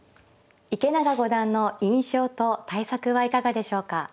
池永五段の印象と対策はいかがでしょうか。